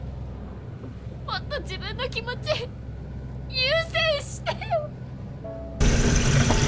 もっと自分の気持ち優先してよ！